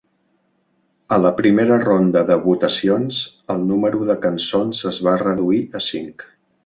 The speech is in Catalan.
A la primera ronda de votacions, el número de cançons es va reduir a cinc.